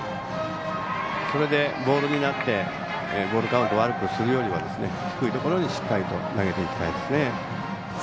それでボールになってボールカウント悪くするよりは低いところにしっかりと投げていきたいですね。